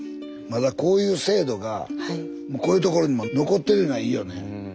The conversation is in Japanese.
まだこういう制度がこういうところにも残ってるのはいいよね。